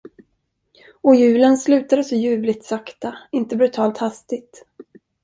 Och julen slutade så ljuvligt sakta, inte brutalt hastigt.